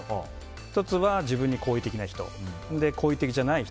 １つは自分に好意的な人好意的じゃない人